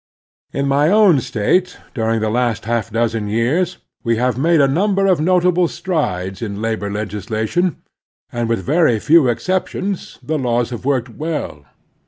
In my own State during the last half dozen years we have made a number of notable strides in labor legislation, and, with very few exceptions, the laws have worked well.